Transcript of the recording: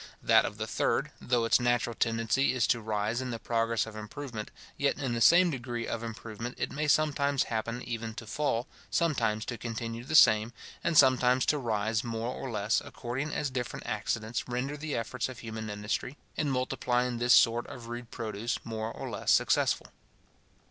That of the third, though its natural tendency is to rise in the progress of improvement, yet in the same degree of improvement it may sometimes happen even to fall, sometimes to continue the same, and sometimes to rise more or less, according as different accidents render the efforts of human industry, in multiplying this sort of rude produce, more or less successful.